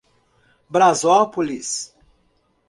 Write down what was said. Brasópolis